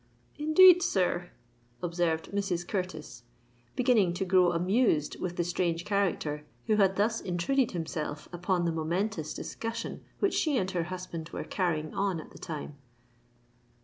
"Indeed, Sir," observed Mrs. Curtis, beginning to grow amused with the strange character who had thus intruded himself upon the momentous discussion which she and her husband were carrying on at the time.